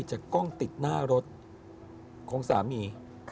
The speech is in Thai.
จากกล้องติดหน้ารถของสามี